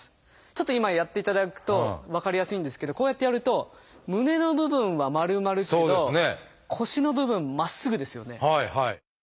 ちょっと今やっていただくと分かりやすいんですけどこうやってやると胸の部分は丸まるけど腰の部分まっすぐですよね。